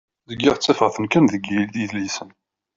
Zgiɣ ttafeɣ-ten kan deg yidlisen.